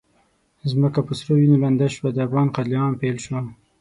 ځمکه په سرو وینو لنده شوه، د افغان قتل عام پیل شو.